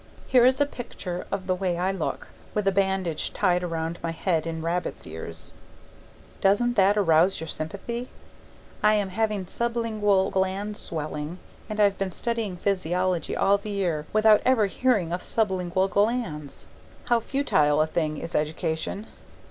Here is a picture of the way I look, with a bandage tied around my head in rabbit's ears. Doesn't that arouse your sympathy? I am having sublingual gland swelling. And I've been studying physiology all the year without ever hearing of sublingual glands. How futile a thing is education!